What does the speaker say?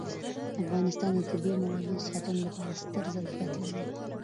افغانستان د طبیعي منابعو د ساتنې لپاره ستر ظرفیت لري.